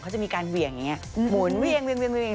เขาจะมีการเวี่ยงอย่างเงี้ยหมุนเวียงเวียงเวียงเวียงเวียง